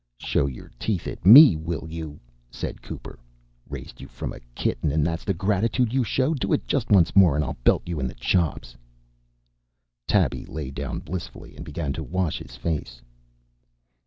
"Show your teeth at me, will you!" said Cooper. "Raised you from a kitten and that's the gratitude you show. Do it just once more and I'll belt you in the chops." Tabby lay down blissfully and began to wash his face.